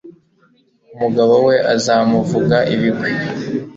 umugabo we akamuvuga ibigwi